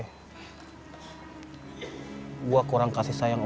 hai gua kurang kasih sayang